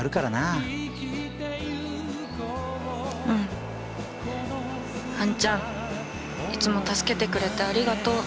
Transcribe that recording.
うんあんちゃんいつも助けてくれてありがとう。